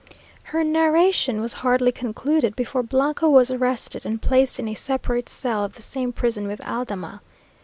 Her narration was hardly concluded, before Blanco was arrested and placed in a separate cell of the same prison with Aldama.